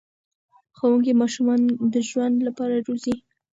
ښوونکي ماشومان د ژوند لپاره روزي.